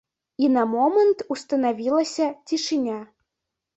І на момант устанавілася цішыня.